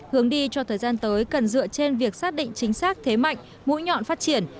hướng đi cho thời gian tới cần dựa trên việc xác định chính xác thế mạnh mũi nhọn phát triển